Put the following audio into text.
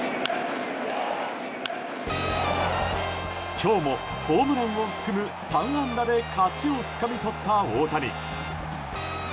今日もホームランを含む３安打で勝ちをつかみ取った大谷。